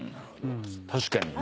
確かに今。